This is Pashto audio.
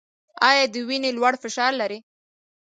ایا د وینې لوړ فشار لرئ؟